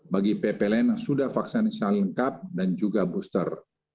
bagi ppln yang sudah vaksin selengkap dan juga booster